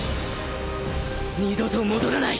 二度と戻らない。